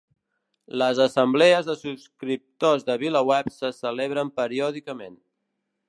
Les Assemblees de subscriptors de VilaWeb se celebren periòdicament